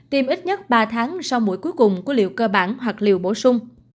tiêm ít nhất ba tháng sau mũi cuối cùng của liệu cơ bản hoặc liều bổ sung